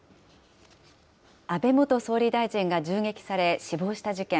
安倍元総理大臣が銃撃され、死亡した事件。